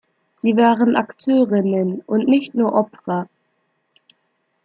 Sie waren Akteurinnen und nicht nur Opfer.